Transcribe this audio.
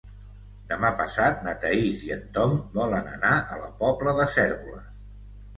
Demà passat na Thaís i en Tom volen anar a la Pobla de Cérvoles.